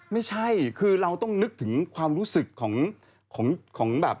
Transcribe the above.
ไม่ใช่คือเราต้องนึกถึงความรู้สึกของแบบ